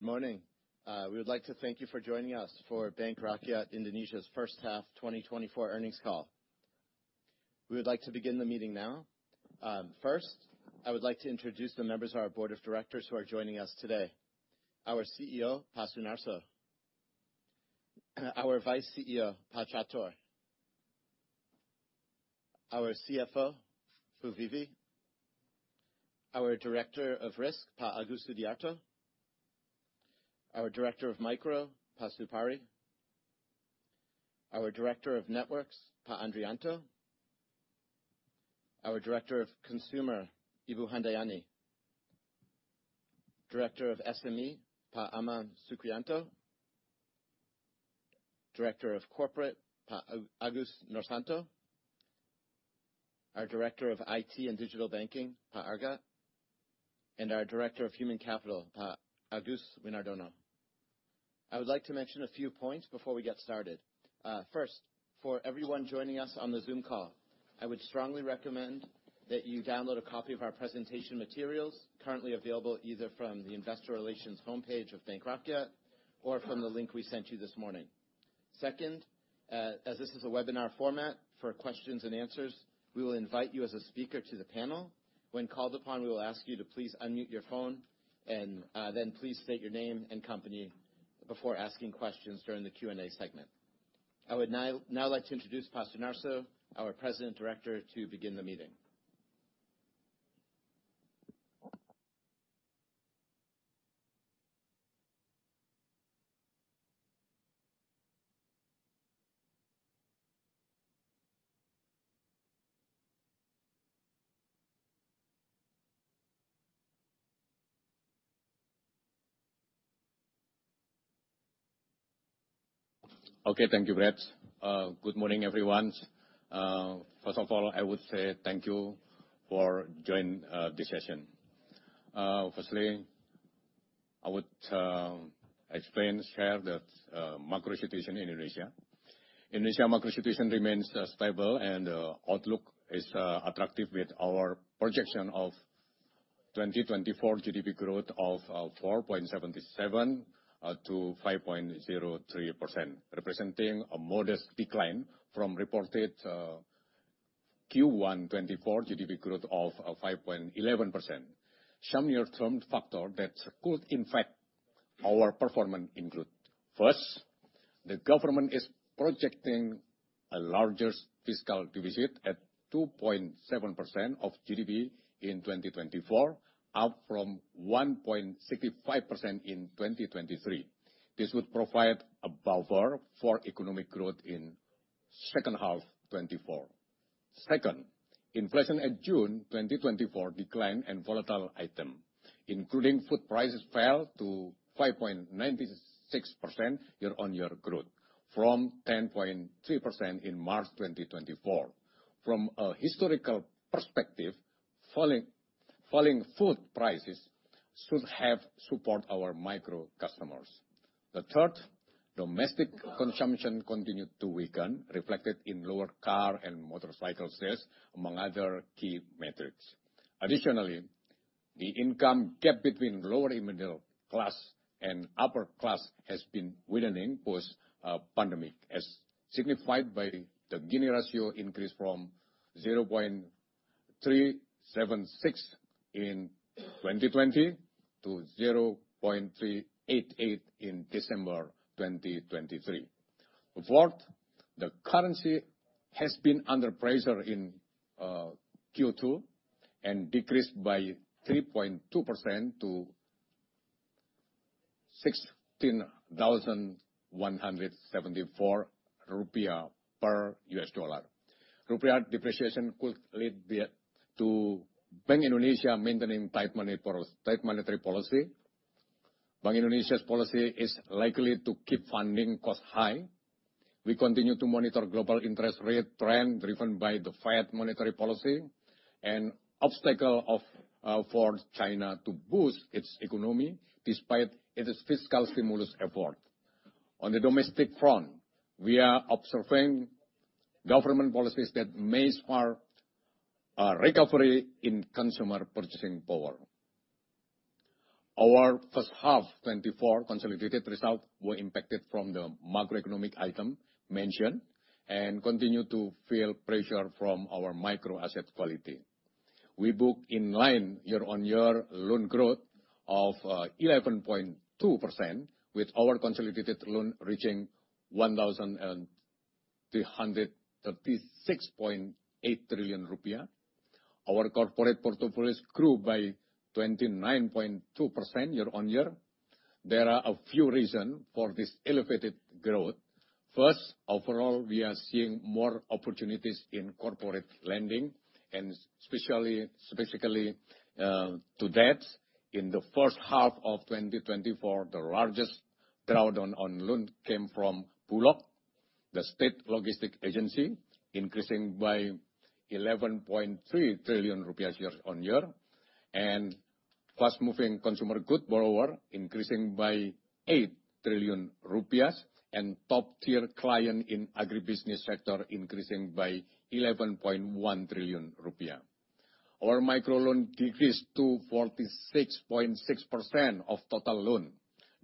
Morning. We would like to thank you for joining us for Bank Rakyat Indonesia's first half 2024 earnings call. We would like to begin the meeting now. First, I would like to introduce the members of our board of directors who are joining us today. Our CEO, Pak Sunarso, our Vice CEO, Pak Catur, our CFO, Bu Vivi, our Director of Risk, Pak Agus Sudiarto, our Director of Micro, Pak Supari, our Director of Networks, Pak Andrijanto, our Director of Consumer, Ibu Handayani, Director of SME, Pak Amam Sukriyanto, Director of Corporate, Pak Agus Noorsanto, our Director of IT and Digital Banking, Pak Arga, and our Director of Human Capital, Pak Agus Winardono. I would like to mention a few points before we get started. First, for everyone joining us on the Zoom call, I would strongly recommend that you download a copy of our presentation materials, currently available either from the Investor Relations homepage of Bank Rakyat or from the link we sent you this morning. Second, as this is a webinar format, for questions and answers, we will invite you as a speaker to the panel. When called upon, we will ask you to please unmute your phone and, then please state your name and company before asking questions during the Q&A segment. I would now like to introduce Pak Sunarso, our President Director, to begin the meeting. Okay. Thank you, Brett. Good morning, everyone. First of all, I would say thank you for joining this session. Firstly, I would explain, share that macro situation in Indonesia. Indonesia macro situation remains stable, and outlook is attractive with our projection of 2024 GDP growth of 4.77%-5.03%, representing a modest decline from reported Q1 2024 GDP growth of 5.11%. Some near-term factor that could impact our performance include, first, the government is projecting a larger fiscal deficit at 2.7% of GDP in 2024, up from 1.65% in 2023. This would provide a buffer for economic growth in second half 2024. Second, inflation in June 2024 declined, and volatile items, including food prices, fell to 5.96% year-on-year growth, from 10.3% in March 2024. From a historical perspective, falling food prices should have support our micro customers. The third, domestic consumption continued to weaken, reflected in lower car and motorcycle sales, among other key metrics. Additionally, the income gap between lower middle class and upper class has been widening post-pandemic, as signified by the Gini ratio increase from 0.376 in 2020 to 0.388 in December 2023. Fourth, the currency has been under pressure in Q2, and decreased by 3.2% to 16,174 rupiah per US dollar. Rupiah depreciation could lead to Bank Indonesia maintaining tight monetary policy. Bank Indonesia's policy is likely to keep funding costs high. We continue to monitor global interest rate trend, driven by the Fed monetary policy and obstacle of for China to boost its economy despite its fiscal stimulus effort. On the domestic front, we are observing government policies that may spark a recovery in consumer purchasing power. Our first half 2024 consolidated results were impacted from the macroeconomic item mentioned and continue to feel pressure from our micro asset quality. We book in line year-on-year loan growth of 11.2%, with our consolidated loan reaching 1,336.8 trillion rupiah. Our corporate portfolios grew by 29.2% year-on-year. There are a few reason for this elevated growth. First, overall, we are seeing more opportunities in corporate lending, and especially, specifically, to date, in the first half of 2024, the largest drawdown on loan came from BULOG, the state logistics agency, increasing by IDR 11.3 trillion year-on-year, and fast-moving consumer good borrower increasing by 8 trillion rupiah, and top-tier client in agribusiness sector increasing by 11.1 trillion rupiah. Our micro loan decreased to 46.6% of total loan,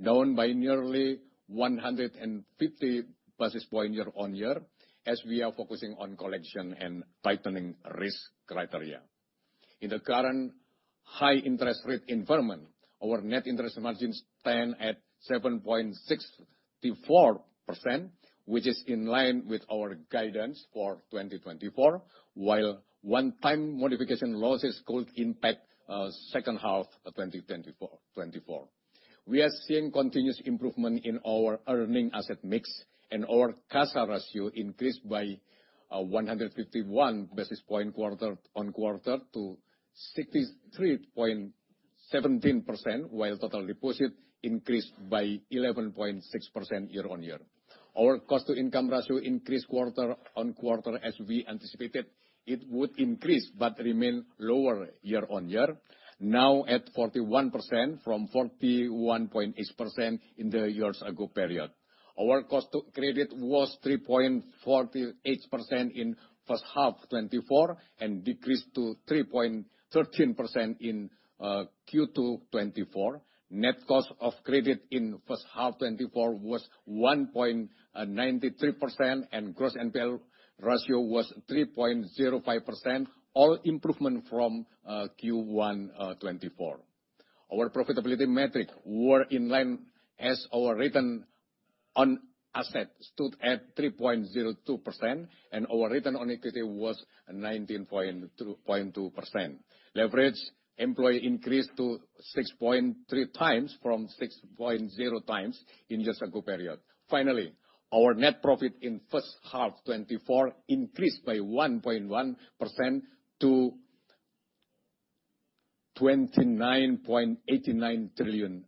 down by nearly 150 basis point year-on-year, as we are focusing on collection and tightening risk criteria. In the current high interest rate environment, our net interest margin stand at 7.64%, which is in line with our guidance for 2024, while one time modification losses could impact second half of 2024. We are seeing continuous improvement in our earning asset mix, and our CASA ratio increased by 151 basis points quarter-on-quarter to 63.17%, while total deposit increased by 11.6% year-on-year. Our cost-to-income ratio increased quarter-on-quarter, as we anticipated it would increase, but remain lower year-on-year, now at 41% from 41.8% in the year-ago period. Our cost of credit was 3.48% in first half 2024, and decreased to 3.13% in Q2 2024. Net cost of credit in first half 2024 was 1.93%, and gross NPL ratio was 3.05%, all improvement from Q1 2024. Our profitability metrics were in line as our return on assets stood at 3.02%, and our return on equity was 19.22%. Leverage ratio increased to 6.3 times from 6.0 times in the same period. Finally, our net profit in first half 2024 increased by 1.1% to IDR 29.89 trillion.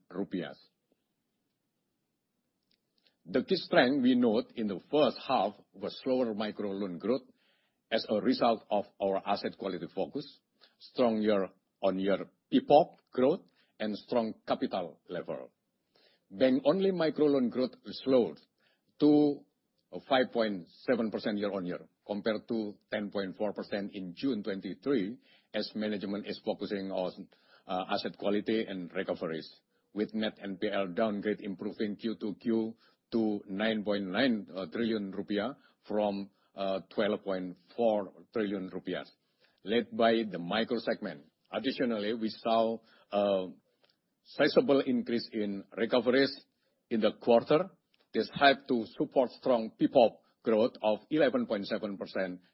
The key strength we note in the first half was slower micro loan growth as a result of our asset quality focus, stronger year-on-year PPOP growth, and strong capital level. Bank-only micro loan growth slowed to a 5.7% year-on-year, compared to 10.4% in June 2023, as management is focusing on asset quality and recoveries, with net NPL downgrade improving Q to Q to 9.9 trillion rupiah from twelve point four trillion rupiah, led by the micro segment. Additionally, we saw sizable increase in recoveries in the quarter. This helped to support strong PPOP growth of 11.7%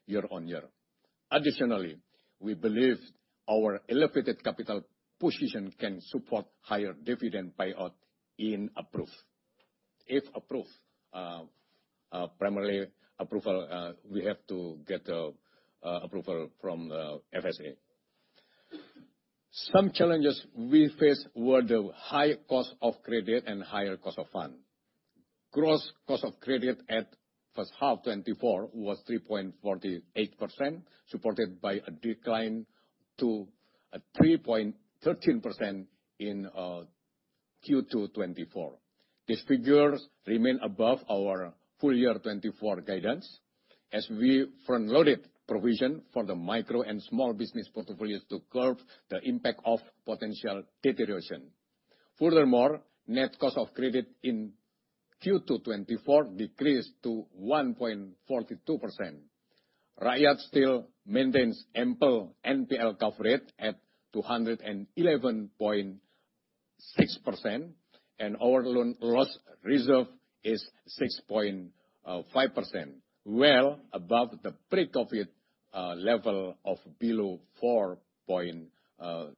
year-on-year. Additionally, we believe our elevated capital position can support higher dividend payout in approve. If approve, primarily approval, we have to get approval from the FSA. Some challenges we faced were the high cost of credit and higher cost of fund. Gross cost of credit at first half 2024 was 3.48%, supported by a decline to a 3.13% in Q2 2024. These figures remain above our full year 2024 guidance, as we front loaded provision for the micro and small business portfolios to curb the impact of potential deterioration. Furthermore, net cost of credit in Q2 2024 decreased to 1.42%. Rakyat still maintains ample NPL cover rate at 211.6%, and our loan loss reserve is 6.5%, well above the pre-COVID level of below 4.5%. All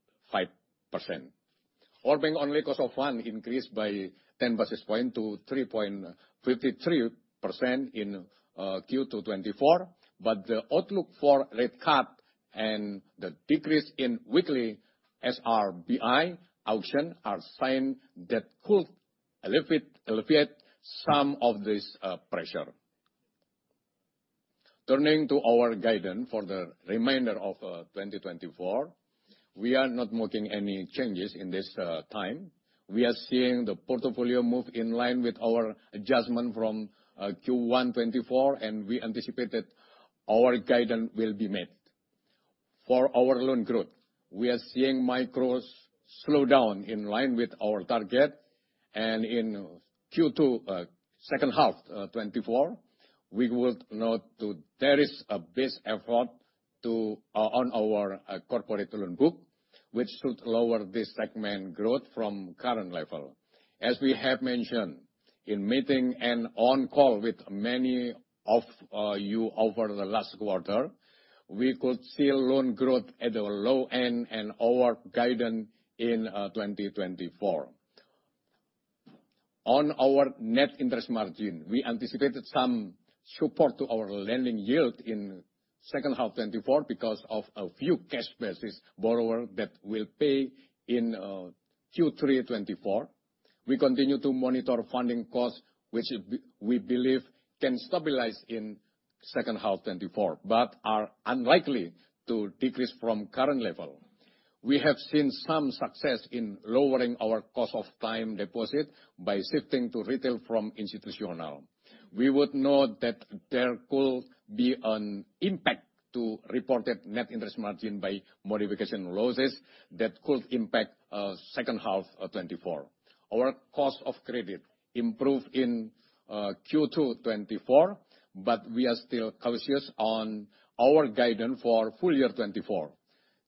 in, only the cost of funds increased by 10 basis points to 3.53% in Q2 2024, but the outlook for rate cut and the decrease in weekly SRBI auction are signs that could alleviate some of this pressure. Turning to our guidance for the remainder of 2024, we are not making any changes at this time. We are seeing the portfolio move in line with our adjustment from Q1 2024, and we anticipate that our guidance will be met. For our loan growth, we are seeing micros slow down in line with our target, and in the second half 2024, we would note that there is a base effect on our corporate loan book, which should lower this segment growth from current level. As we have mentioned in meeting and on call with many of you over the last quarter, we could see loan growth at the low end and our guidance in 2024. On our net interest margin, we anticipated some support to our lending yield in second half 2024 because of a few cash basis borrower that will pay in Q3 2024. We continue to monitor funding costs, which we believe can stabilize in second half 2024, but are unlikely to decrease from current level. We have seen some success in lowering our cost of time deposit by shifting to retail from institutional. We would note that there could be an impact to reported net interest margin by modification losses that could impact second half of 2024. Our cost of credit improved in Q2 2024, but we are still cautious on our guidance for full year 2024.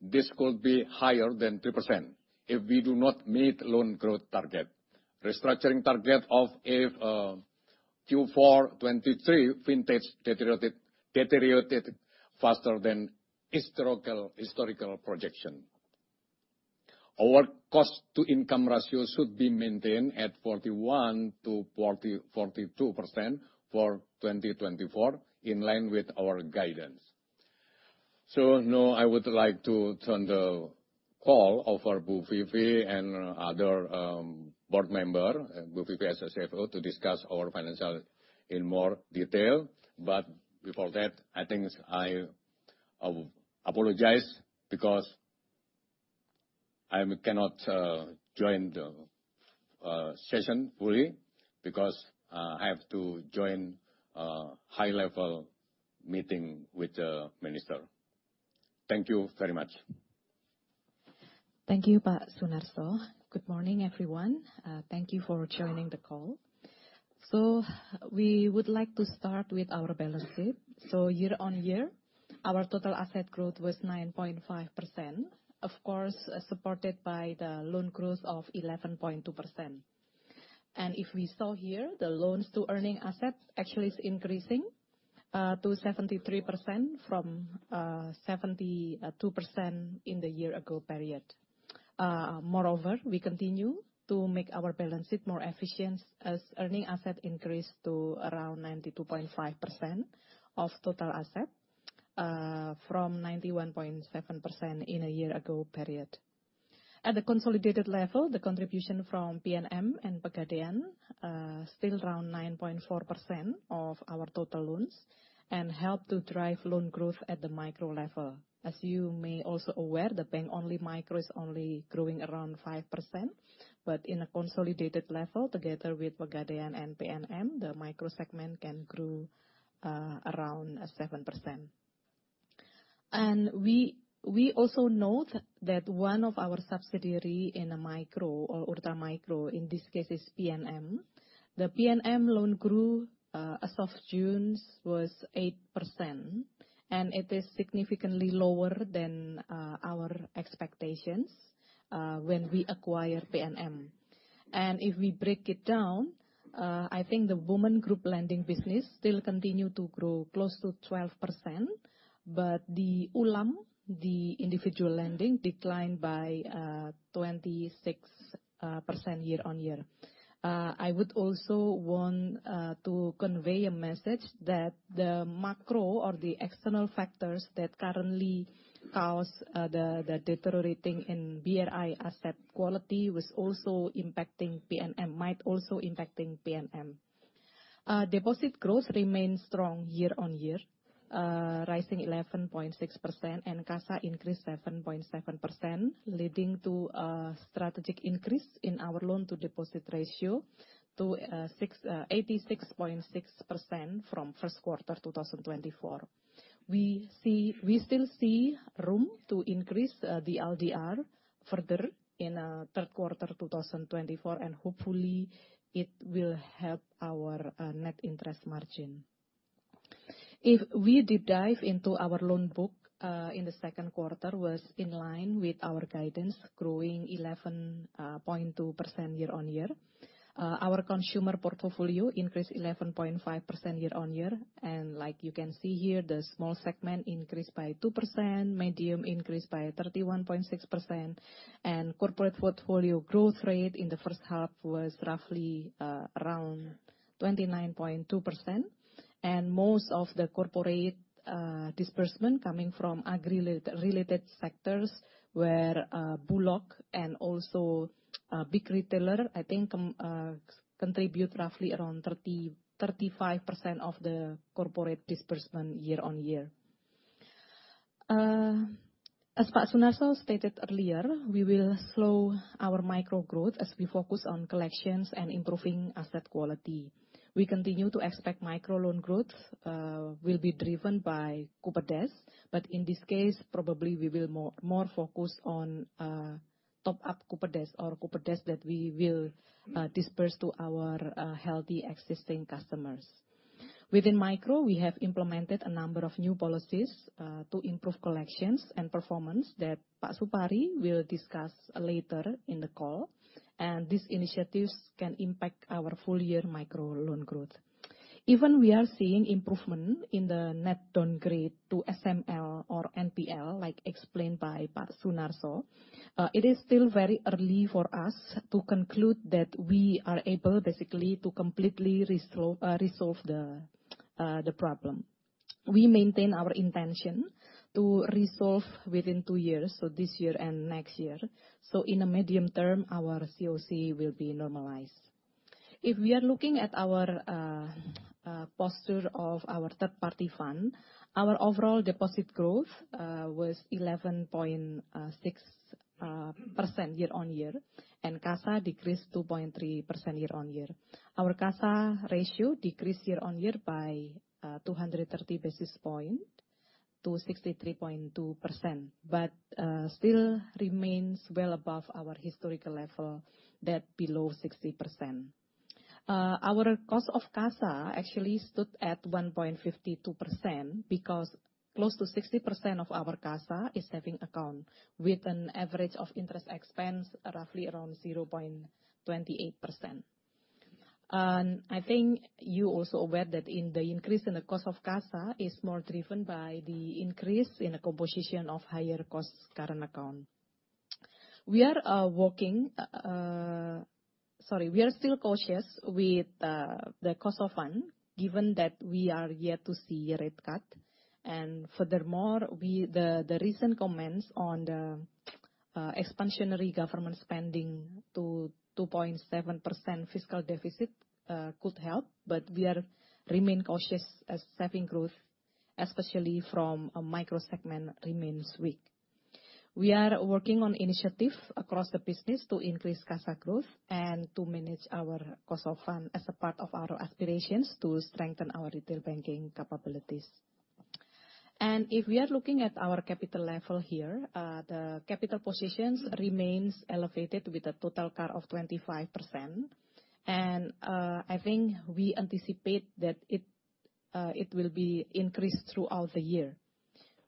This could be higher than 2% if we do not meet loan growth target. Restructuring target of a Q4 2023 vintage deteriorated, deteriorated faster than historical, historical projection. Our cost-to-income ratio should be maintained at 41%-42% for 2024, in line with our guidance. So now, I would like to turn the call over to Bu Vivi and other board member, Bu Vivi as CFO, to discuss our financial in more detail. But before that, I think I apologize because I cannot join the session fully, because I have to join a high-level meeting with the minister. Thank you very much. Thank you, Pak Sunarso. Good morning, everyone. Thank you for joining the call. So we would like to start with our balance sheet. So year-on-year, our total asset growth was 9.5%, of course, supported by the loan growth of 11.2%. And if we saw here, the loans to earning assets actually is increasing to 73% from 72% in the year-ago period. Moreover, we continue to make our balance sheet more efficient as earning asset increased to around 92.5% of total asset from 91.7% in a year-ago period. At the consolidated level, the contribution from PNM and Pegadaian still around 9.4% of our total loans and help to drive loan growth at the micro level. As you may also aware, the bank-only micro is only growing around 5%, but in a consolidated level, together with Pegadaian and PNM, the micro segment can grow around 7%. And we, we also note that one of our subsidiary in a micro or ultra micro, in this case is PNM. The PNM loan grew, as of June, was 8%, and it is significantly lower than our expectations when we acquired PNM. And if we break it down, I think the women group lending business still continue to grow close to 12%, but the ULaM, the individual lending, declined by 26% year-on-year. I would also want to convey a message that the macro or the external factors that currently cause the deteriorating in BRI asset quality was also impacting PNM, might also impacting PNM. Deposit growth remains strong year-on-year, rising 11.6%, and CASA increased 7.7%, leading to a strategic increase in our loan-to-deposit ratio to 86.6% from first quarter 2024. We see, we still see room to increase the LDR further in third quarter 2024, and hopefully it will help our net interest margin. If we deep dive into our loan book, in the second quarter was in line with our guidance, growing 11.2% year-on-year. Our consumer portfolio increased 11.5% year-on-year, and like you can see here, the small segment increased by 2%, medium increased by 31.6%, and corporate portfolio growth rate in the first half was roughly around 29.2%. Most of the corporate disbursement coming from agri-related sectors, where BULOG and also big retailer, I think, contribute roughly around 30-35% of the corporate disbursement year-on-year. As Pak Sunarso stated earlier, we will slow our micro growth as we focus on collections and improving asset quality. We continue to expect micro loan growth will be driven by Kupedes, but in this case, probably we will more focus on top-up Kupedes or Kupedes that we will disburse to our healthy existing customers. Within micro, we have implemented a number of new policies to improve collections and performance that Pak Supari will discuss later in the call, and these initiatives can impact our full year micro loan growth. Even we are seeing improvement in the net downgrade to SML or NPL, like explained by Pak Sunarso, it is still very early for us to conclude that we are able, basically, to completely resolve the problem. We maintain our intention to resolve within two years, so this year and next year. So in the medium term, our CoC will be normalized. If we are looking at our portfolio of our third party fund, our overall deposit growth was 11.6% year-on-year, and CASA decreased 2.3% year-on-year. Our CASA ratio decreased year on year by 230 basis point to 63.2%, but still remains well above our historical level that below 60%. Our cost of CASA actually stood at 1.52%, because close to 60% of our CASA is saving account, with an average of interest expense roughly around 0.28%. And I think you also aware that in the increase in the cost of CASA is more driven by the increase in the composition of higher cost current account. Sorry, we are still cautious with the cost of fund, given that we are yet to see a rate cut. Furthermore, the recent comments on the expansionary government spending to 2.7% fiscal deficit could help, but we are remain cautious as saving growth, especially from a micro segment, remains weak. We are working on initiatives across the business to increase CASA growth and to manage our cost of fund as a part of our aspirations to strengthen our retail banking capabilities. And if we are looking at our capital level here, the capital positions remains elevated with a total CAR of 25%. And I think we anticipate that it will be increased throughout the year.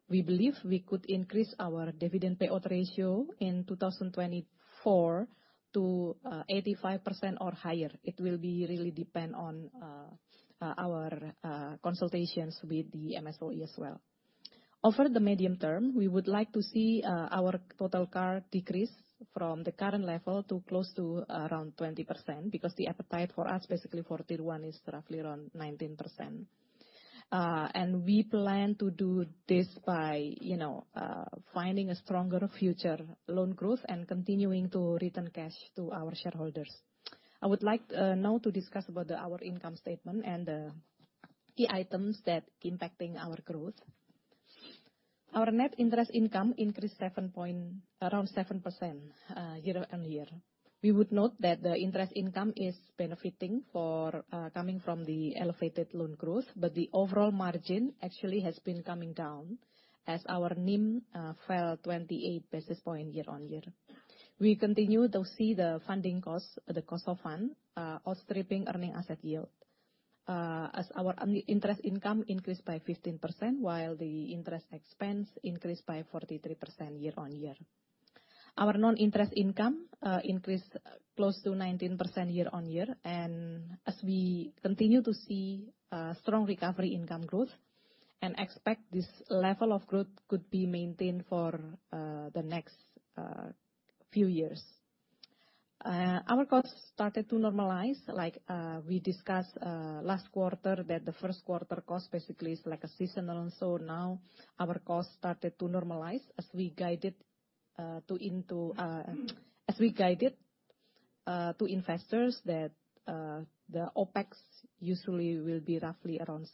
We believe we could increase our dividend payout ratio in 2024 to 85% or higher. It will be really depend on our consultations with the MSOE as well. Over the medium term, we would like to see our total CAR decrease from the current level to close to around 20%, because the appetite for us, basically for Tier I, is roughly around 19%. And we plan to do this by, you know, finding a stronger future loan growth and continuing to return cash to our shareholders. I would like now to discuss our income statement and the items that impacting our growth. Our net interest income increased around 7% year-on-year. We would note that the interest income is benefiting for coming from the elevated loan growth, but the overall margin actually has been coming down as our NIM fell 28 basis points year-on-year. We continue to see the funding costs, the cost of funds, outstripping earning asset yield, as our interest income increased by 15%, while the interest expense increased by 43% year-on-year. Our non-interest income increased close to 19% year-on-year, and as we continue to see strong recovery income growth and expect this level of growth could be maintained for the next few years. Our costs started to normalize, like we discussed last quarter, that the first quarter cost basically is like a seasonal. So now our costs started to normalize as we guided to investors that the OpEx usually will be roughly around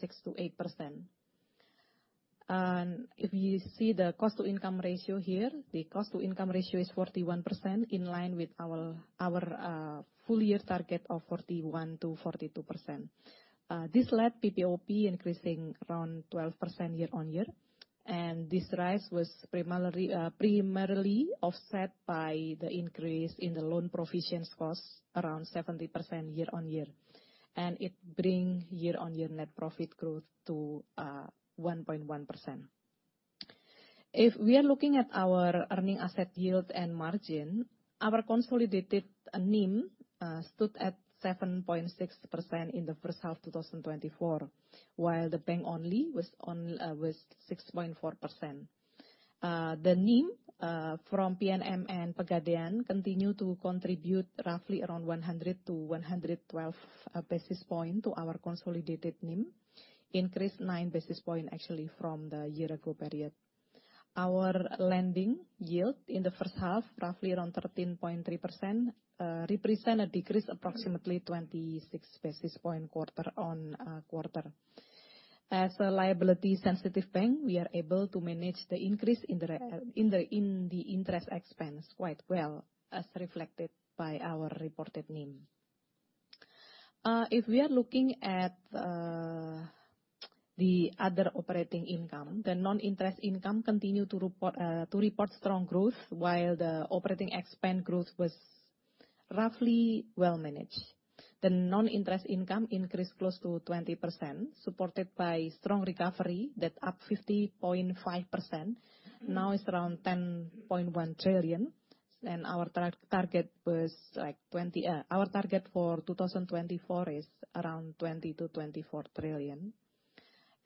6%-8%. If you see the cost to income ratio here, the cost to income ratio is 41%, in line with our, our, full year target of 41%-42%. This led PPOP increasing around 12% year-on-year, and this rise was primarily, primarily offset by the increase in the loan provisions costs, around 70% year-on-year, and it bring year-on-year net profit growth to 1.1%. If we are looking at our earning asset yield and margin, our consolidated NIM stood at 7.6% in the first half 2024, while the bank only was on, was 6.4%. The NIM from PNM and Pegadaian continue to contribute roughly around 100-112 basis point to our consolidated NIM, increased 9 basis point actually from the year ago period. Our lending yield in the first half, roughly around 13.3%, represent a decrease approximately 26 basis point quarter-on-quarter. As a liability sensitive bank, we are able to manage the increase in the re- in the, in the interest expense quite well, as reflected by our reported NIM. If we are looking at the other operating income, the non-interest income continue to report strong growth, while the operating expense growth was roughly well managed. The non-interest income increased close to 20%, supported by strong recovery that up 50.5%. Now it's around 10.1 trillion, and our target was, like, twenty. Our target for 2024 is around 20 trillion-24 trillion.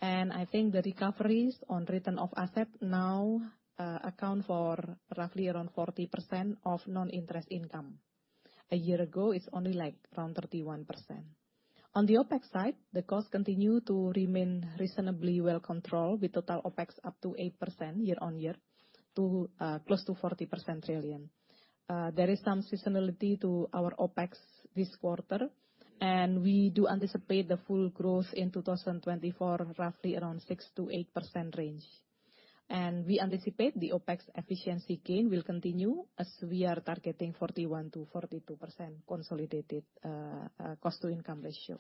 And I think the recoveries and return on assets now account for roughly around 40% of non-interest income. A year ago, it's only like around 31%.... On the OpEx side, the cost continue to remain reasonably well controlled, with total OpEx up 8% year-on-year, to close to 40 trillion. There is some seasonality to our OpEx this quarter, and we do anticipate the full growth in 2024, roughly around 6%-8% range. And we anticipate the OpEx efficiency gain will continue as we are targeting 41%-42% consolidated cost-to-income ratio.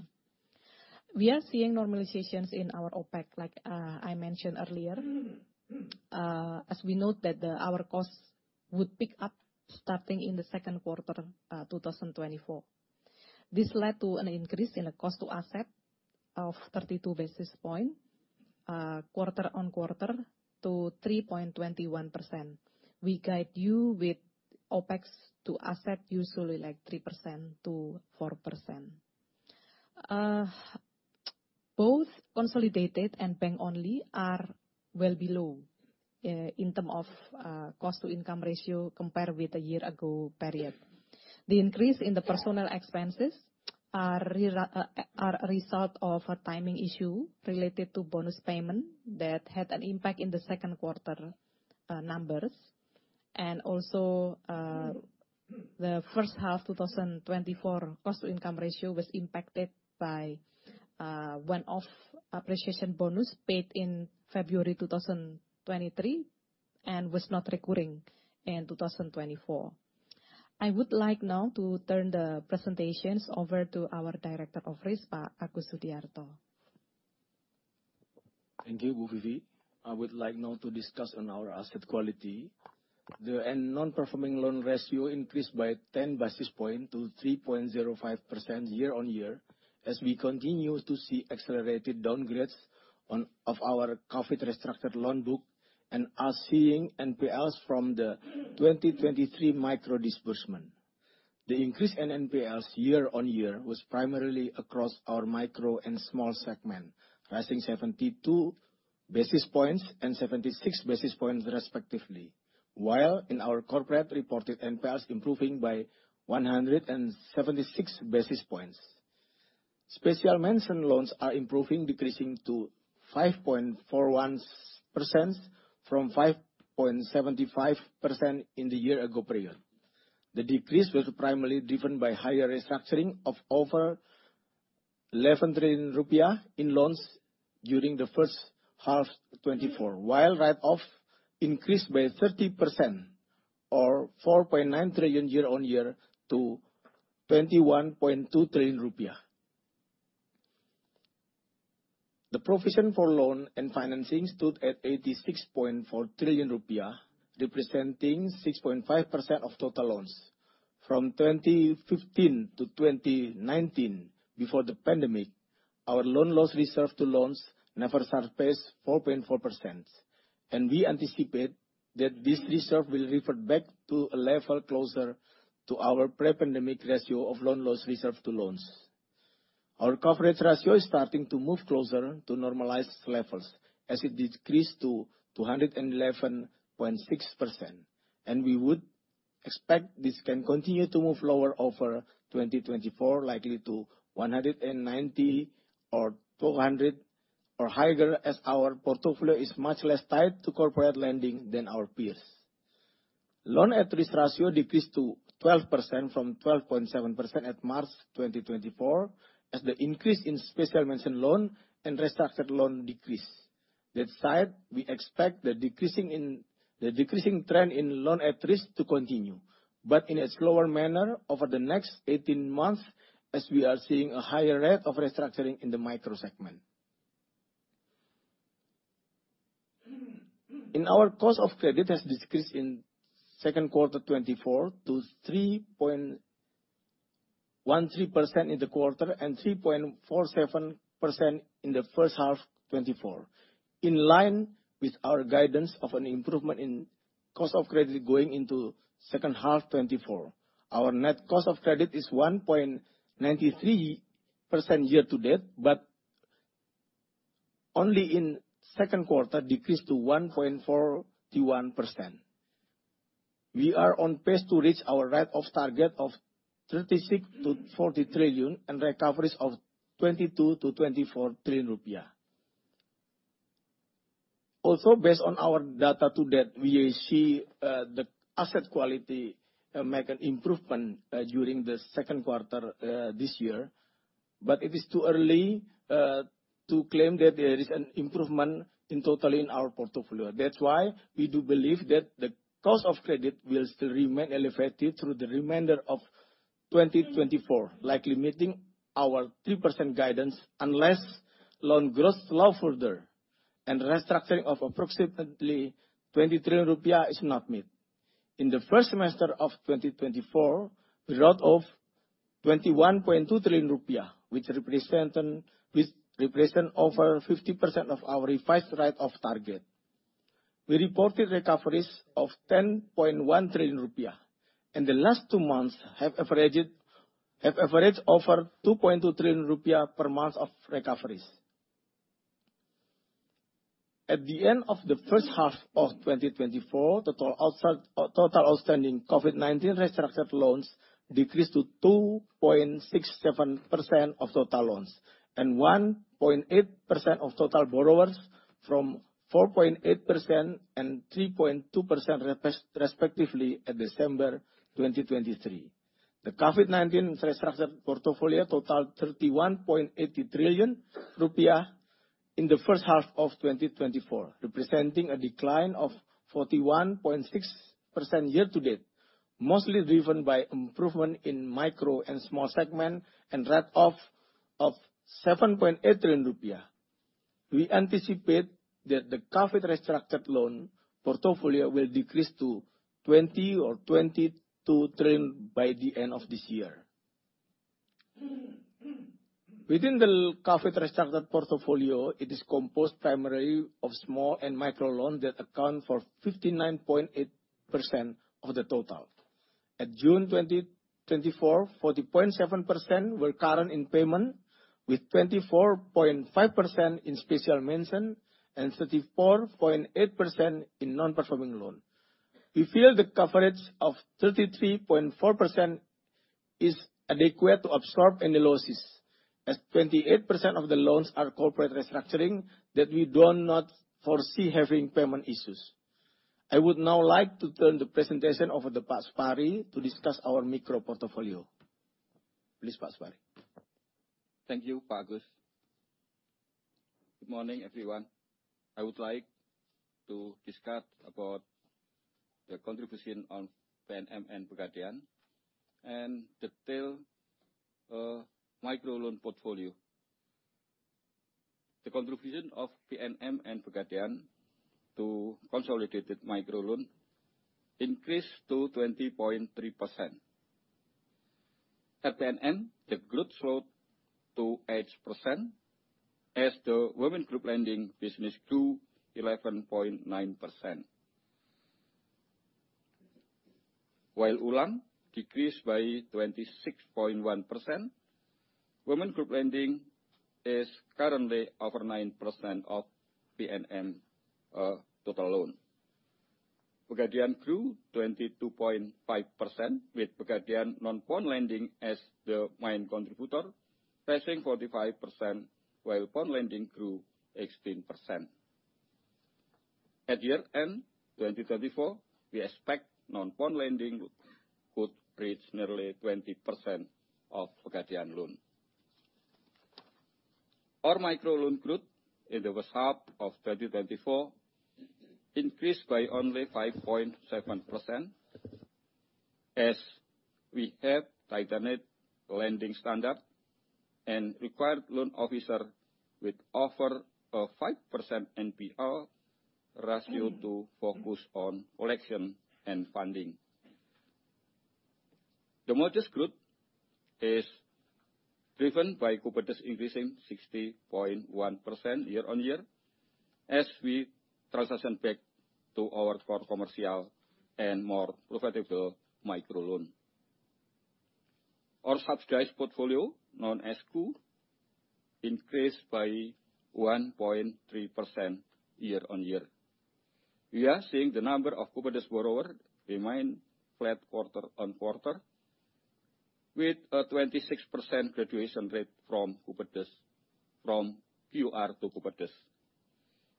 We are seeing normalizations in our OpEx, like, I mentioned earlier. As we note that the, our costs would pick up starting in the second quarter, 2024. This led to an increase in the cost to asset of 32 basis points quarter-on-quarter to 3.21%. We guide you with OpEx to asset, usually like 3%-4%. Both consolidated and bank only are well below in terms of cost-to-income ratio compared with a year-ago period. The increase in the personnel expenses are a result of a timing issue related to bonus payment that had an impact in the second quarter numbers. And also, the first half 2024 cost-to-income ratio was impacted by one-off appreciation bonus paid in February 2023, and was not recurring in 2024. I would like now to turn the presentations over to our Director of Risk, Pak Agus Sudiarto. Thank you, Bu Vivi. I would like now to discuss on our asset quality. The end non-performing loan ratio increased by 10 basis points to 3.05% year-on-year, as we continue to see accelerated downgrades of our COVID restructured loan book and are seeing NPLs from the 2023 micro disbursement. The increase in NPLs year-on-year was primarily across our micro and small segment, rising 72 basis points and 76 basis points, respectively, while in our corporate reported NPLs improving by 176 basis points. Special mention loans are improving, decreasing to 5.41% from 5.75% in the year ago period. The decrease was primarily driven by higher restructuring of over 11 trillion rupiah in loans during the first half 2024, while write-off increased by 30% or 4.9 trillion year-on-year to 21.2 trillion rupiah. The provision for loan and financing stood at 86.4 trillion rupiah, representing 6.5% of total loans. From 2015 to 2019, before the pandemic, our loan loss reserve to loans never surpassed 4.4%, and we anticipate that this reserve will revert back to a level closer to our pre-pandemic ratio of loan loss reserve to loans. Our coverage ratio is starting to move closer to normalized levels as it decreased to 211.6%, and we would expect this can continue to move lower over 2024, likely to 190% or 200% or higher, as our portfolio is much less tied to corporate lending than our peers. Loan at Risk ratio decreased to 12% from 12.7% at March 2024, as the increase in Special Mention Loan and restructured loan decreased. That said, we expect the decreasing trend in Loan at Risk to continue, but in a slower manner over the next 18 months, as we are seeing a higher rate of restructuring in the micro segment. Our cost of credit has decreased in second quarter 2024 to 3.13% in the quarter and 3.47% in the first half 2024, in line with our guidance of an improvement in cost of credit going into second half 2024. Our net cost of credit is 1.93% year to date, but only in second quarter decreased to 1.41%. We are on pace to reach our write-off target of 36 trillion-40 trillion and recoveries of 22 trillion-24 trillion rupiah. Also, based on our data to date, we see the asset quality make an improvement during the second quarter this year, but it is too early to claim that there is an improvement in total in our portfolio. That's why we do believe that the cost of credit will still remain elevated through the remainder of 2024, likely meeting our 3% guidance, unless loan growth slow further and restructuring of approximately 20 trillion rupiah is not met. In the first semester of 2024, we wrote off IDR 21.2 trillion, which represented, which represent over 50% of our revised write-off target. We reported recoveries of 10.1 trillion rupiah, and the last two months have averaged, have averaged over 2.2 trillion rupiah per month of recoveries. At the end of the first half of 2024, total outstanding COVID-19 restructured loans decreased to 2.67% of total loans, and 1.8% of total borrowers from 4.8% and 3.2%, respectively, at December 2023. The COVID-19 restructured portfolio totaled 31.80 trillion rupiah in the first half of 2024, representing a decline of 41.6% year to date, mostly driven by improvement in micro and small segment and write-off of 7.80 trillion rupiah. We anticipate that the COVID restructured loan portfolio will decrease to 20 or 22 trillion by the end of this year. Within the COVID restructured portfolio, it is composed primarily of small and micro loans that account for 59.8% of the total. At June 2024, 40.7% were current in payment, with 24.5% in special mention and 34.8% in non-performing loan. We feel the coverage of 33.4% is adequate to absorb any losses, as 28% of the loans are corporate restructuring that we do not foresee having payment issues. I would now like to turn the presentation over to Pak Supari to discuss our micro portfolio. Please, Pak Supari. Thank you, Pak Agus. Good morning, everyone. I would like to discuss about the contribution on PNM and Pegadaian, and detail, micro loan portfolio. The contribution of PNM and Pegadaian to consolidated micro loan increased to 20.3%. At the end, the group slowed to 8% as the women group lending business grew 11.9%. While ULaM decreased by 26.1%, women group lending is currently over 9% of PNM, total loan. Pegadaian grew 22.5%, with Pegadaian non-fund lending as the main contributor, passing 45%, while fund lending grew 18%. At year-end 2024, we expect non-fund lending could reach nearly 20% of Pegadaian loan. Our micro loan growth in the first half of 2024 increased by only 5.7%, as we have tightened lending standards and required loan officers with a target of 5% NPL ratio to focus on collection and funding. The modest growth is driven by Kupedes increasing 60.1% year-on-year, as we transition back to our core commercial and more profitable micro loan. Our subsidized portfolio, known as KUR, increased by 1.3% year-on-year. We are seeing the number of Kupedes borrowers remain flat quarter-on-quarter, with a 26% graduation rate from KUR to Kupedes.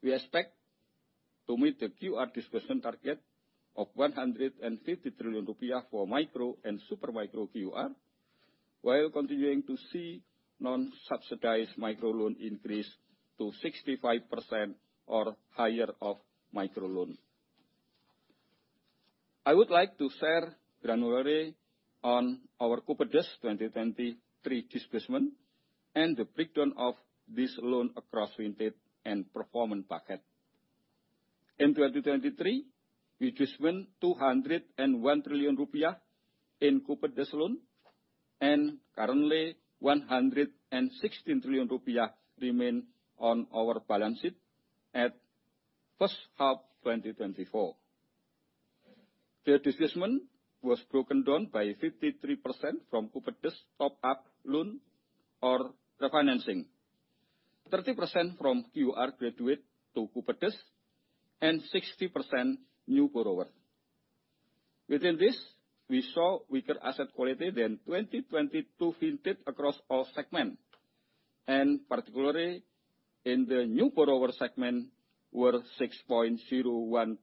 We expect to meet the KUR disbursement target of 150 trillion rupiah for micro and super micro KUR, while continuing to see non-subsidized micro loans increase to 65% or higher of micro loans. I would like to share granularly on our Kupedes 2023 disbursement, and the breakdown of this loan across vintage and performance bucket. In 2023, we disbursed 201 trillion rupiah in Kupedes loan, and currently 116 trillion rupiah remain on our balance sheet at first half 2024. The disbursement was broken down by 53% from Kupedes top-up loan or refinancing, 30% from KUR graduate to Kupedes, and 60% new borrower. Within this, we saw weaker asset quality than 2022 vintage across all segments, and particularly in the new borrower segment, where 6.01%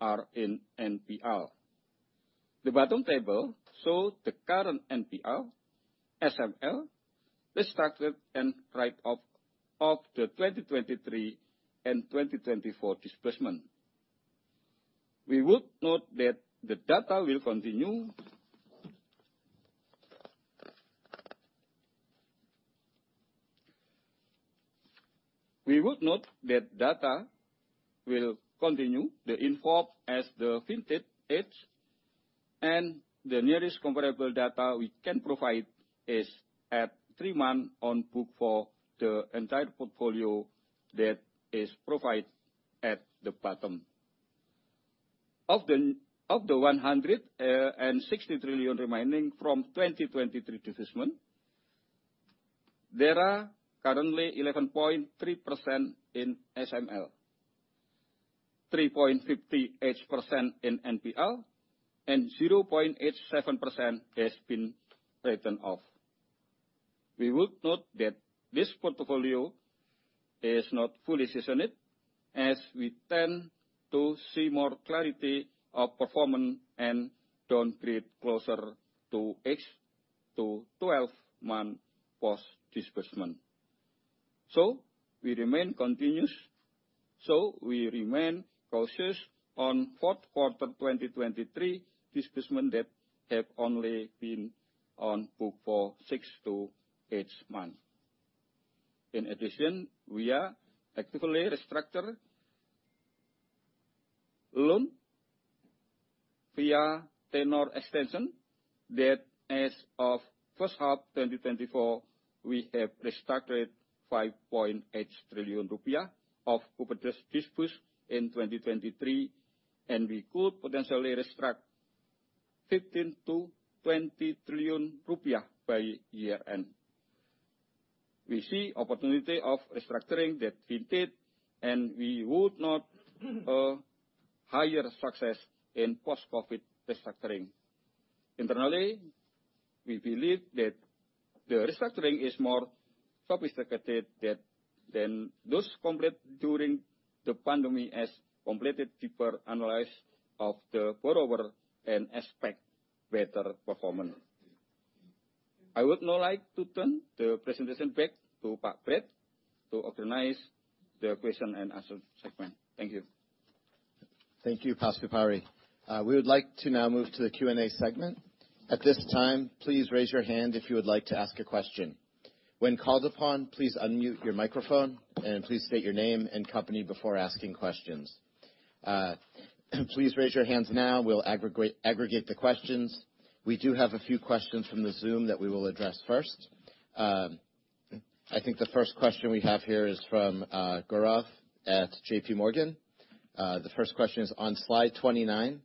are in NPL. The bottom table shows the current NPL, SML, restructured, and write-off of the 2023 and 2024 disbursement. We would note that the data will continue... We would note that data will continue to improve in the fourth quarter as the vintage ages, and the nearest comparable data we can provide is at 3 months on book for the entire portfolio that is provided at the bottom of the 160 trillion remaining from 2023 disbursement. There are currently 11.3% in SML, 3.58% in NPL, and 0.87% has been written off. We would note that this portfolio is not fully seasoned, as we tend to see more clarity of performance and don't see deterioration closer to 8-12 months post disbursement. So we remain cautious on fourth quarter 2023 disbursements that have only been on book for 6-8 months. In addition, we are actively restructuring loans via tenure extension that, as of the first half of 2024, we have restructured 5.8 trillion rupiah of Kupedes disbursed in 2023, and we could potentially restructure 15 trillion-20 trillion rupiah by year-end. We see opportunity of restructuring that we did, and we would note higher success in post-COVID restructuring. Internally, we believe that the restructuring is more sophisticated than those completed during the pandemic, as completed deeper analysis of the borrower and expect better performance. I would now like to turn the presentation back to Pak Brett to organize the question and answer segment. Thank you. Thank you, Pak Supari. We would like to now move to the Q&A segment. At this time, please raise your hand if you would like to ask a question. When called upon, please unmute your microphone, and please state your name and company before asking questions. Please raise your hands now. We'll aggregate the questions. We do have a few questions from the Zoom that we will address first. I think the first question we have here is from Gaurav at JPMorgan. The first question is: on slide 29,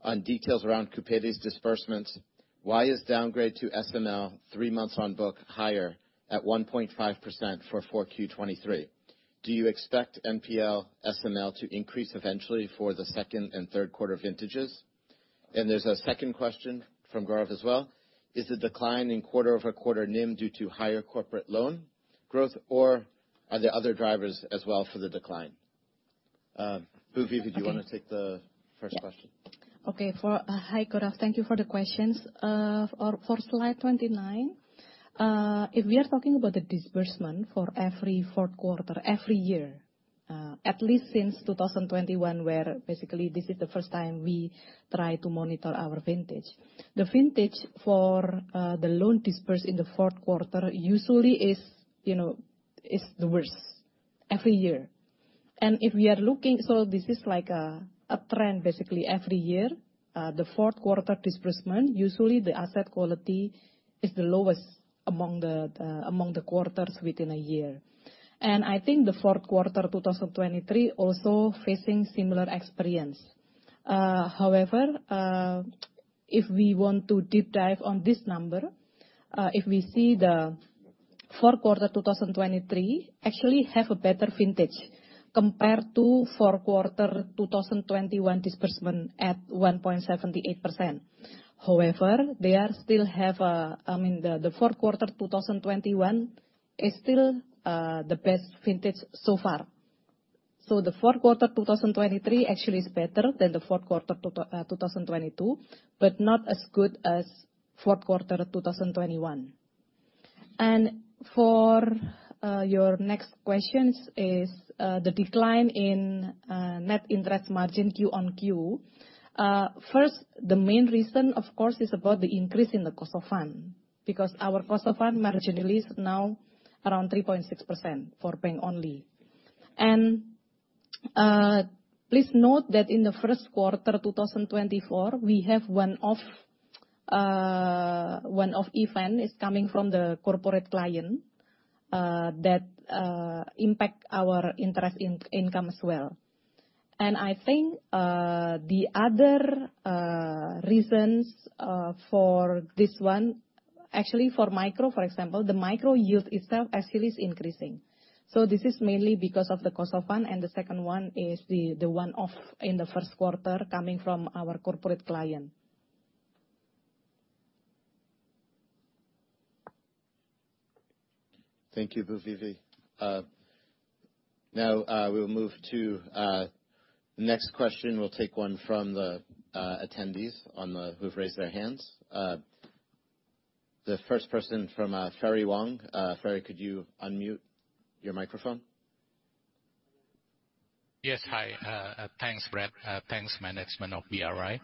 on details around Kupedes disbursements, why is downgrade to SML three months on book higher at 1.5% for 4Q 2023? Do you expect NPL SML to increase eventually for the second and third quarter vintages? There's a second question from Gaurav as well: Is the decline in quarter-over-quarter NIM due to higher corporate loan growth, or are there other drivers as well for the decline? Bu Vivi, do you want to take the first question? Yeah. Okay, for... Hi, Gaurav. Thank you for the questions. For slide 29, if we are talking about the disbursement for every fourth quarter, every year, at least since 2021, where basically this is the first time we try to monitor our vintage. The vintage for the loan dispersed in the fourth quarter usually is, you know, is the worst every year. And if we are looking... So this is like a trend, basically, every year, the fourth quarter disbursement, usually the asset quality is the lowest among the quarters within a year. And I think the fourth quarter 2023 also facing similar experience. However, if we want to deep dive on this number, if we see the fourth quarter 2023 actually have a better vintage compared to fourth quarter 2021 disbursement at 1.78%. However, they are still have, I mean, the fourth quarter 2021 is still the best vintage so far. So the fourth quarter 2023 actually is better than the fourth quarter 2022, but not as good as fourth quarter 2021. And for your next questions is the decline in net interest margin quarter-on-quarter. First, the main reason, of course, is about the increase in the cost of fund, because our cost of fund margin release now around 3.6% for bank only. And, please note that in the first quarter 2024, we have one-off event coming from the corporate client that impacts our interest income as well. And I think the other reasons for this one, actually, for micro, for example, the micro yield itself actually is increasing. So this is mainly because of the cost of fund, and the second one is the one-off in the first quarter coming from our corporate client. Thank you, Bu Vivi. Now, we will move to the next question. We'll take one from the attendees on the who've raised their hands. The first person from Ferry Wong. Ferry, could you unmute your microphone? Yes. Hi. Thanks, Brett. Thanks, management of BRI.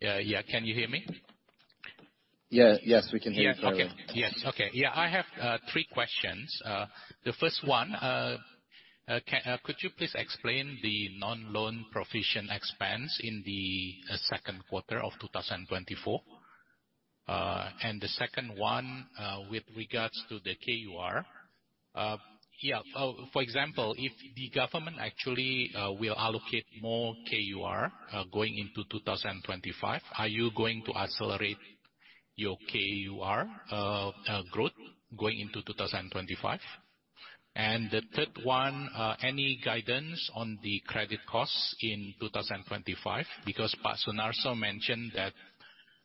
Yeah, can you hear me? Yeah. Yes, we can hear you, Ferry. Yeah. Okay. Yes. Okay. Yeah, I have three questions. The first one, could you please explain the non-loan provision expense in the second quarter of 2024? And the second one, with regards to the KUR, yeah, for example, if the government actually will allocate more KUR, going into 2025, are you going to accelerate your KUR growth going into 2025? And the third one, any guidance on the credit costs in 2025? Because Pak Sunarso mentioned that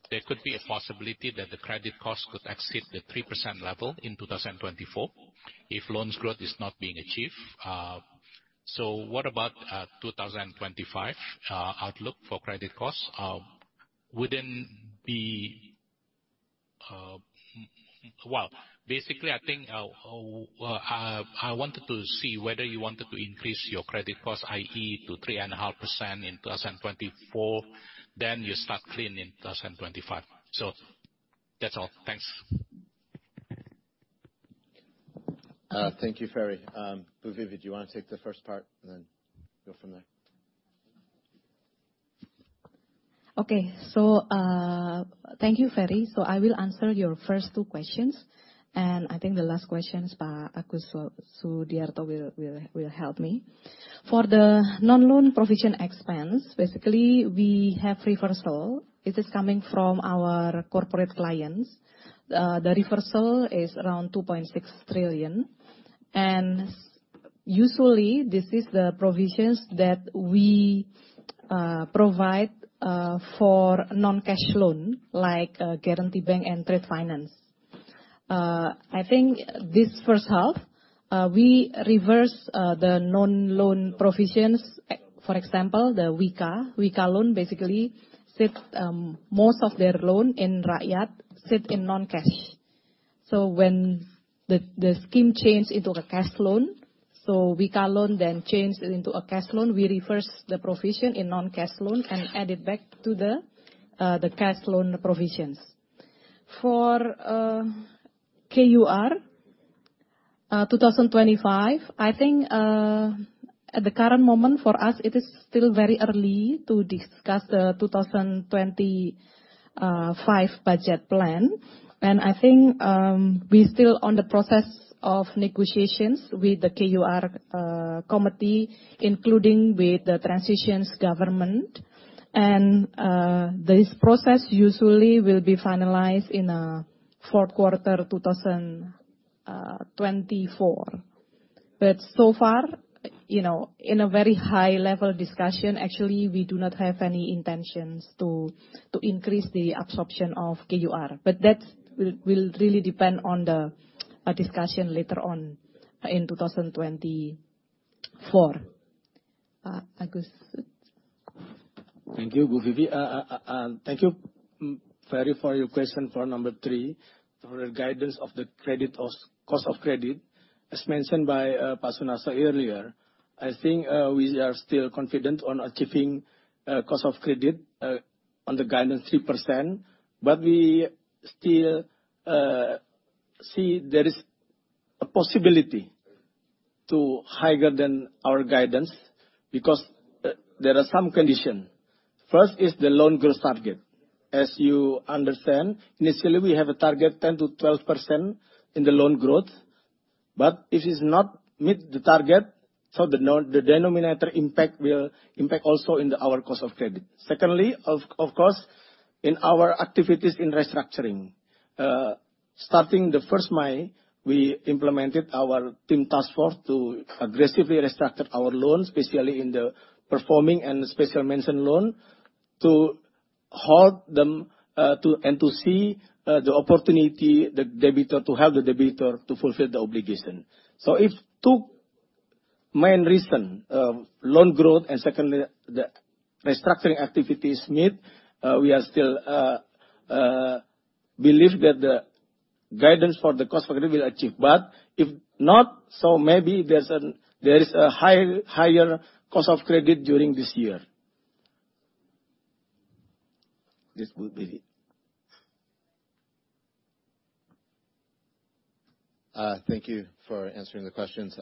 there could be a possibility that the credit cost could exceed the 3% level in 2024 if loans growth is not being achieved. So what about 2025, outlook for credit costs? Wouldn't be... Well, basically, I think, I wanted to see whether you wanted to increase your credit cost, i.e., to 3.5% in 2024, then you start clean in 2025. So that's all. Thanks. Thank you, Ferry. Bu Vivi, do you want to take the first part and then go from there? Okay. So, thank you, Ferry. So I will answer your first two questions, and I think the last question, Pak Agus Sudiarto will help me. For the non-loan provision expense, basically, we have reversal. It is coming from our corporate clients. The reversal is around 2.6 trillion, and usually, this is the provisions that we provide for non-cash loan, like Guarantee Bank and Trade Finance. I think this first half, we reverse the non-loan provisions. For example, the WIKA. WIKA loan basically sit, most of their loan in Rakyat, sit in non-cash. So when the scheme changed into a cash loan, so WIKA loan then changed into a cash loan, we reverse the provision in non-cash loan and add it back to the cash loan provisions. For KUR, 2025, I think, at the current moment, for us, it is still very early to discuss the 2025 budget plan. And I think, we still on the process of negotiations with the KUR committee, including with the transitions government. And, this process usually will be finalized in fourth quarter 2024. But so far, you know, in a very high level discussion, actually, we do not have any intentions to increase the absorption of KUR, but that will really depend on the discussion later on in 2024. Agus? Thank you, Bu Vivi. And thank you, Ferry, for your question for number three, for the guidance of the credit of, cost of credit. As mentioned by Pak Sunarso earlier, I think we are still confident on achieving cost of credit on the guidance 3%, but we still see there is a possibility to higher than our guidance because there are some condition. First is the loan growth target. As you understand, initially, we have a target 10%-12% in the loan growth, but it is not meet the target, so the denominator impact will impact also in the our cost of credit. Secondly, of course, in our activities in restructuring. Starting the first May, we implemented our team task force to aggressively restructure our loans, especially in the performing and special mention loan, to hold them and to see the opportunity, the debtor, to help the debtor to fulfill the obligation. So if two main reason, loan growth and secondly, the restructuring activities meet, we are still believe that the guidance for the cost of credit will achieve. But if not, so maybe there is a higher cost of credit during this year. This Bu Vivi. Thank you for answering the questions.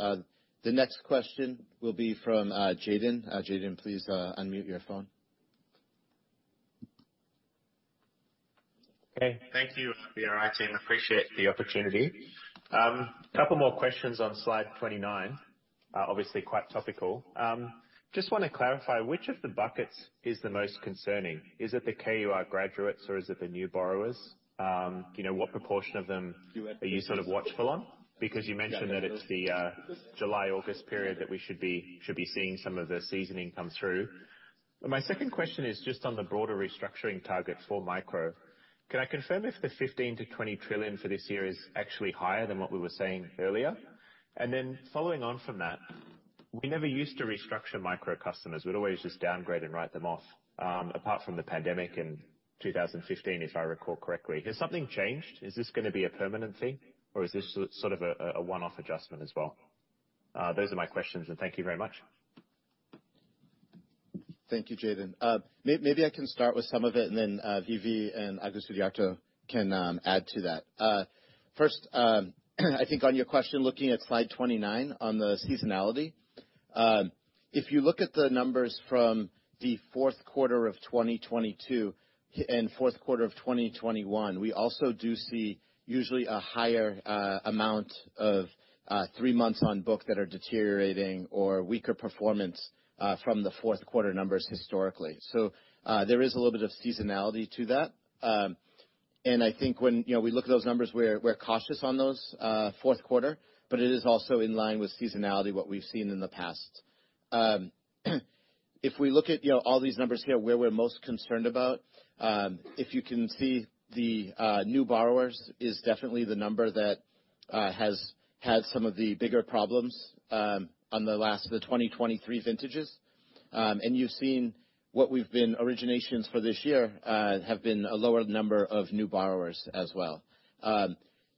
The next question will be from Jayden. Jayden, please, unmute your phone. Okay. Thank you, BRI team. Appreciate the opportunity. Couple more questions on slide 29, obviously quite topical. Just want to clarify, which of the buckets is the most concerning? Is it the KUR graduates, or is it the new borrowers? Do you know what proportion of them are you sort of watchful on? Because you mentioned that it's the July, August period that we should be seeing some of the seasoning come through. My second question is just on the broader restructuring target for micro. Can I confirm if the 15-20 trillion for this year is actually higher than what we were saying earlier? And then following on from that, we never used to restructure micro customers. We'd always just downgrade and write them off, apart from the pandemic in 2015, if I recall correctly. Has something changed? Is this gonna be a permanent thing, or is this sort of a, a one-off adjustment as well? Those are my questions, and thank you very much. Thank you, Jayden. Maybe I can start with some of it, and then Vivi and Agus Sudiarto can add to that. First, I think on your question, looking at slide 29, on the seasonality. If you look at the numbers from the fourth quarter of 2022 and fourth quarter of 2021, we also do see usually a higher amount of three months on book that are deteriorating or weaker performance from the fourth quarter numbers historically. So there is a little bit of seasonality to that. And I think when, you know, we look at those numbers, we're cautious on those fourth quarter, but it is also in line with seasonality, what we've seen in the past. If we look at, you know, all these numbers here, where we're most concerned about, if you can see the new borrowers is definitely the number that has had some of the bigger problems on the last of the 2023 vintages. And you've seen what we've been... Originations for this year have been a lower number of new borrowers as well.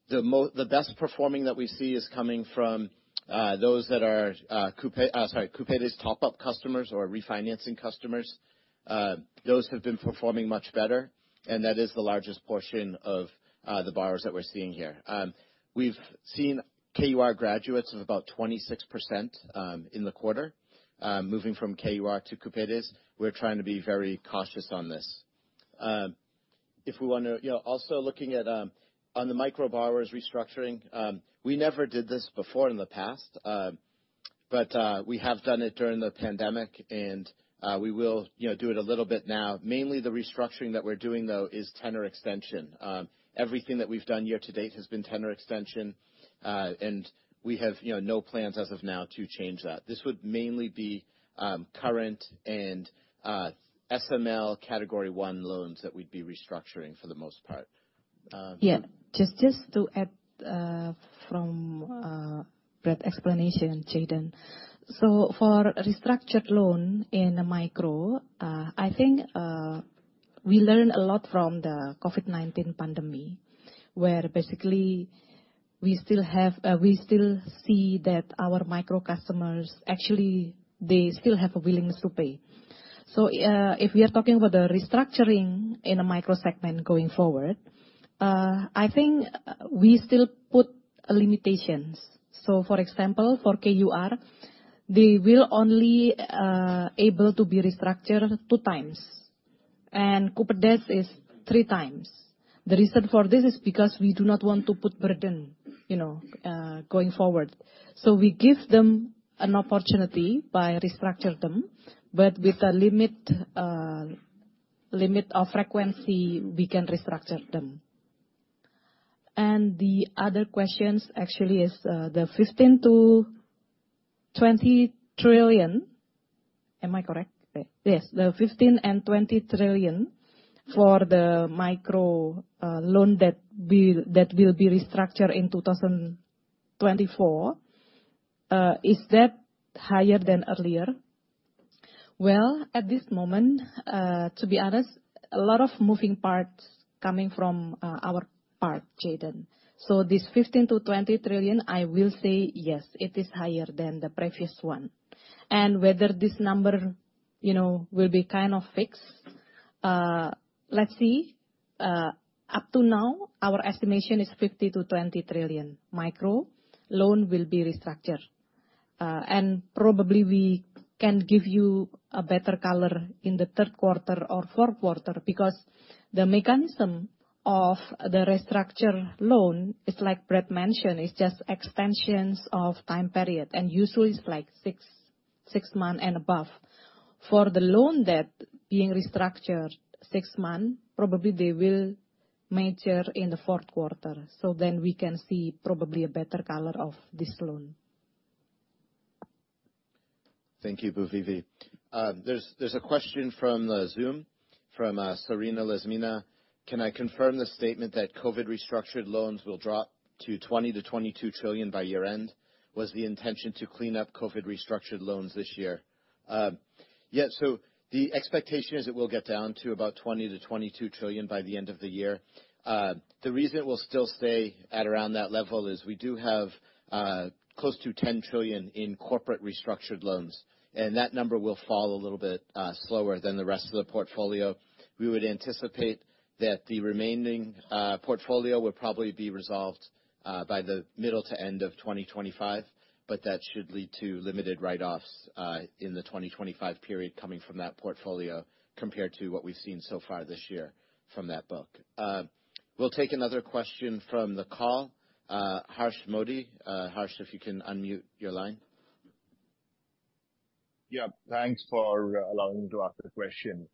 The best performing that we see is coming from those that are Kupedes top-up customers or refinancing customers. Those have been performing much better, and that is the largest portion of the borrowers that we're seeing here. We've seen KUR graduates of about 26% in the quarter moving from KUR to Kupedes. We're trying to be very cautious on this. If we want to... You know, also looking at, on the micro borrowers restructuring, we never did this before in the past, but we have done it during the pandemic, and we will, you know, do it a little bit now. Mainly, the restructuring that we're doing, though, is tenor extension. Everything that we've done year to date has been tenor extension, and we have, you know, no plans as of now to change that. This would mainly be, current and, SML Category One loans that we'd be restructuring for the most part. Yeah. Just to add from Brett's explanation, Jayden. So for restructured loan in micro, I think we learned a lot from the COVID-19 pandemic, where basically we still have, we still see that our micro customers, actually, they still have a willingness to pay. So, if we are talking about the restructuring in the micro segment going forward, I think we still put limitations. So, for example, for KUR, they will only able to be restructured two times, and Kupedes is three times. The reason for this is because we do not want to put burden, you know, going forward. So we give them an opportunity by restructure them, but with a limit of frequency, we can restructure them. And the other questions, actually, is the 15 trillion-20 trillion. Am I correct? Yes, the 15 trillion-20 trillion for the micro loan that will be restructured in 2024, is that higher than earlier? Well, at this moment, to be honest, a lot of moving parts coming from our part, Jaden. So this 15 trillion-20 trillion, I will say, yes, it is higher than the previous one. And whether this number, you know, will be kind of fixed, let's see. Up to now, our estimation is 15 trillion-20 trillion micro loan will be restructured. And probably we can give you a better color in the third quarter or fourth quarter, because the mechanism of the restructure loan is like Brett mentioned, it's just extensions of time period, and usually it's like six months and above. For the loan debt being restructured six months, probably they will mature in the fourth quarter, so then we can see probably a better color of this loan. Thank you, Bu Vivi. There's a question from Zoom from Serena Lesmina. Can I confirm the statement that COVID restructured loans will drop to 20 trillion-22 trillion by year-end? Was the intention to clean up COVID restructured loans this year? Yeah, so the expectation is it will get down to about 20 trillion-22 trillion by the end of the year. The reason it will still stay at around that level is we do have close to 10 trillion in corporate restructured loans, and that number will fall a little bit slower than the rest of the portfolio. We would anticipate that the remaining portfolio would probably be resolved by the middle to end of 2025, but that should lead to limited write-offs in the 2025 period coming from that portfolio compared to what we've seen so far this year from that book. We'll take another question from the call. Harsh Modi. Harsh, if you can unmute your line. Yeah, thanks for allowing me to ask the question.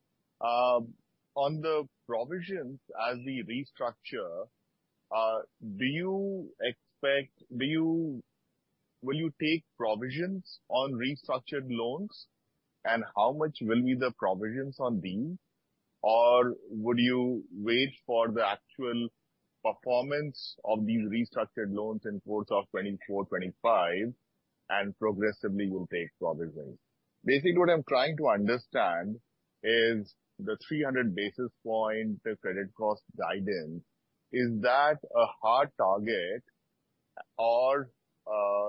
On the provisions as we restructure, do you expect... will you take provisions on restructured loans, and how much will be the provisions on these? Or would you wait for the actual performance of these restructured loans in the course of 2024, 2025, and progressively will take provisions? Basically, what I'm trying to understand is the 300 basis points, the credit cost guidance, is that a hard target? Or,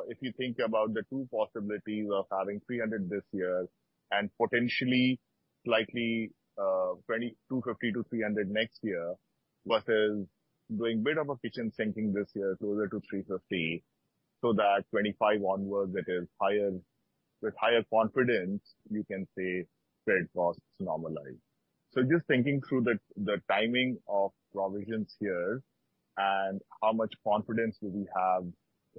if you think about the two possibilities of having 300 this year and potentially... likely, 225-300 next year, versus doing a bit of a kitchen sinking this year, closer to 350, so that 2025 onwards, it is higher, with higher confidence, we can say credit costs normalize. So just thinking through the timing of provisions here and how much confidence do we have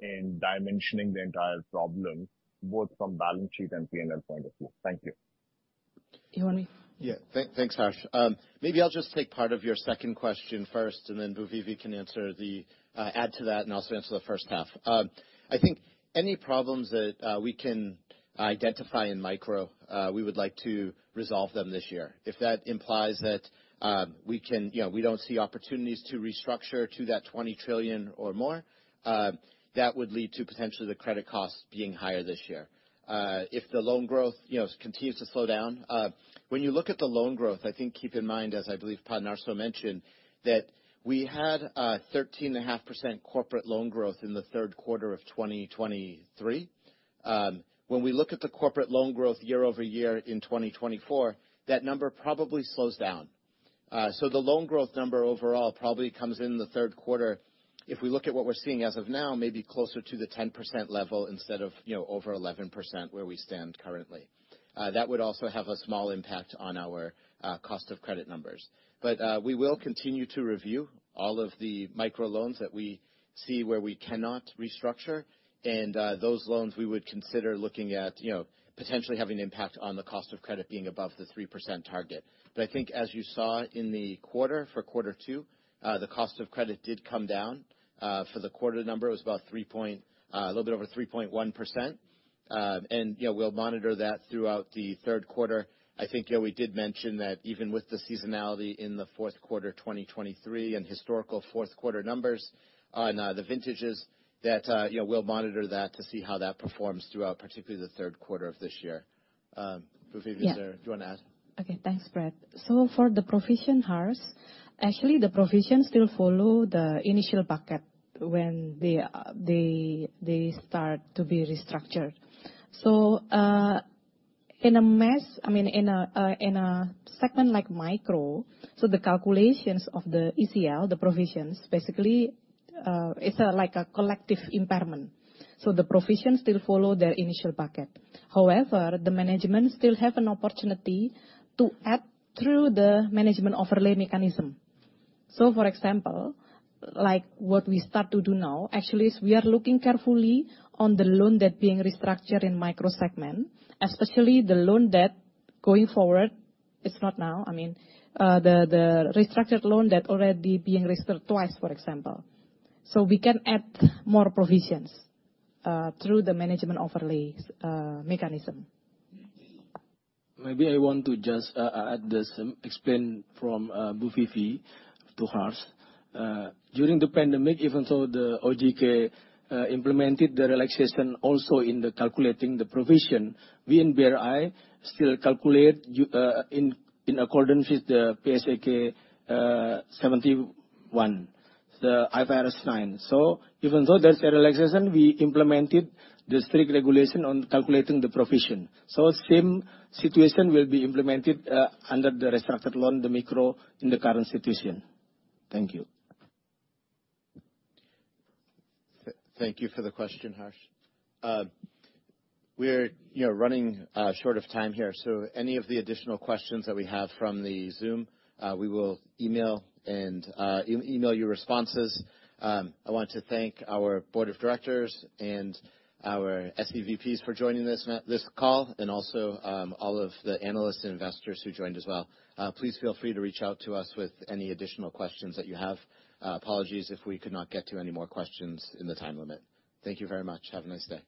in dimensioning the entire problem, both from balance sheet and P&L point of view? Thank you. You want me? Yeah. Thanks, Harsh. Maybe I'll just take part of your second question first, and then Bu Vivi can answer the add to that, and also answer the first half. I think any problems that we can identify in micro we would like to resolve them this year. If that implies that we can, you know, we don't see opportunities to restructure to that 20 trillion or more that would lead to potentially the credit costs being higher this year. If the loan growth, you know, continues to slow down, when you look at the loan growth, I think keep in mind, as I believe Pak Sunarso mentioned, that we had 13.5% corporate loan growth in the third quarter of 2023. When we look at the corporate loan growth year-over-year in 2024, that number probably slows down. So the loan growth number overall probably comes in the third quarter. If we look at what we're seeing as of now, maybe closer to the 10% level instead of, you know, over 11% where we stand currently. That would also have a small impact on our cost of credit numbers. But we will continue to review all of the micro loans that we see where we cannot restructure, and those loans we would consider looking at, you know, potentially having an impact on the cost of credit being above the 3% target. But I think as you saw in the quarter, for quarter two, the cost of credit did come down. For the quarter number, it was about three point a little bit over 3.1%. And, you know, we'll monitor that throughout the third quarter. I think, you know, we did mention that even with the seasonality in the fourth quarter, 2023, and historical fourth quarter numbers on the vintages, that you know, we'll monitor that to see how that performs throughout, particularly the third quarter of this year. Bu Vivi, is there- Yeah. Do you want to add? Okay. Thanks, Britt. So for the provision, Harsh, actually, the provision still follow the initial bucket when they, they, they start to be restructured. So, in a mass, I mean, in a segment like micro, so the calculations of the ECL, the provisions, basically, it's a, like a collective impairment, so the provisions still follow their initial bucket. However, the management still have an opportunity to add through the management overlay mechanism. So, for example, like what we start to do now, actually, is we are looking carefully on the loan that being restructured in micro segment, especially the loan debt going forward, it's not now, I mean, the, the restructured loan that already being restored twice, for example. So we can add more provisions through the management overlay mechanism. Maybe I want to just add this explain from Bu Vivi to Harsh. During the pandemic, even though the OJK implemented the relaxation also in the calculating the provision, we in BRI still calculate in accordance with the PSAK 71, the IFRS 9. So even though there's a relaxation, we implemented the strict regulation on calculating the provision. So same situation will be implemented under the restructured loan, the micro, in the current situation. Thank you. Thank you for the question, Harsh. We're, you know, running short of time here, so any of the additional questions that we have from the Zoom, we will email and email your responses. I want to thank our board of directors and our SVPs for joining this this call, and also, all of the analysts and investors who joined as well. Please feel free to reach out to us with any additional questions that you have. Apologies if we could not get to any more questions in the time limit. Thank you very much. Have a nice day.